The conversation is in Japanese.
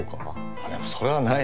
あっでもそれはないな。